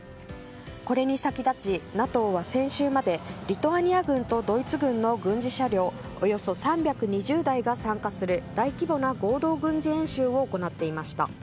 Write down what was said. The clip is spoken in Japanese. これに先立ちＮＡＴＯは先週までリトアニア軍とドイツ軍の軍事車両およそ３２０台が参加する大規模な合同軍事演習を行っていました。